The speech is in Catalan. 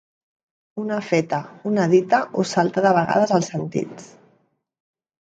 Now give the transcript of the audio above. Una feta, una dita, us salta de vegades als sentits.